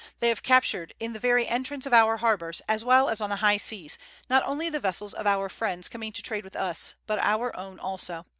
They have captured in the very entrance of our harbors, as well as on the high seas, not only the vessels of our friends coming to trade with us, but our own also.